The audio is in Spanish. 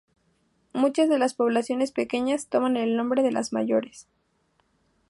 Muchas de las poblaciones pequeñas toman el nombre de las mayores.